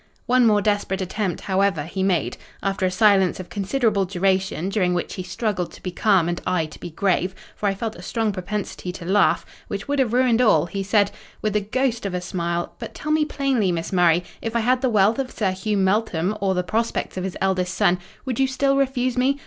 "One more desperate attempt, however, he made. After a silence of considerable duration, during which he struggled to be calm, and I to be grave—for I felt a strong propensity to laugh—which would have ruined all—he said, with the ghost of a smile—'But tell me plainly, Miss Murray, if I had the wealth of Sir Hugh Meltham, or the prospects of his eldest son, would you still refuse me?